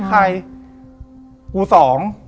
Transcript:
กูสอง